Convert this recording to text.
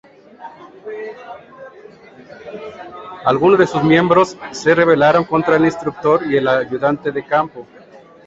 Algunos de sus miembros se rebelaron contra el instructor y el ayudante de campo.